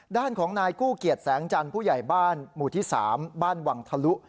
ด้านของนายกู้เกียจแสงจันทร์ผู้ใหญ่บ้านหมู่ที่๓บ้านวังทะลุ